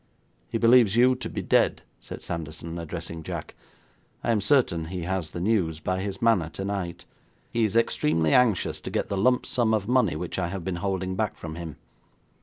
He believes you to be dead,' said Sanderson, addressing Jack. 'I am certain he has the news, by his manner tonight. He is extremely anxious to get the lump sum of money which I have been holding back from him.